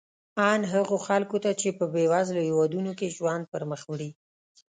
ان هغو خلکو ته چې په بېوزلو هېوادونو کې ژوند پرمخ وړي.